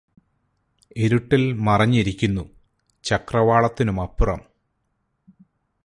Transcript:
ഇരുട്ടില് മറഞ്ഞിരിക്കുന്നു ചക്രവാളത്തിനുമപ്പുറം